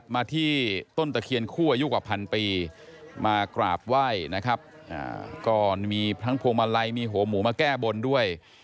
มาที่ต้นตะเคียนคู่อายุกว่าพันปีมากราบไหว้นะครับก็มีทั้งพวงมาลัยมีหัวหมูมาแก้บนด้วย